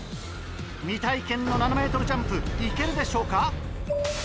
未体験の７ｍジャンプ行けるでしょうか？